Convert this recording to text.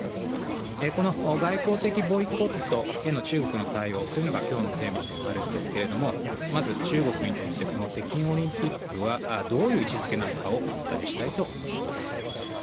この外交的ボイコットへの中国の対応というのが今日のテーマでもあるんですがまず中国にとってこの北京オリンピックはどういう位置づけなのかをお伝えしたいと思います。